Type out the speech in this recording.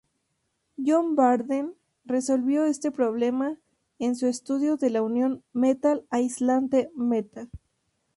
John Bardeen resolvió este problema en su estudio de la unión metal-aislante-metal.